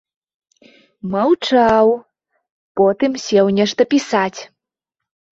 Маўчаў, потым сеў нешта пісаць.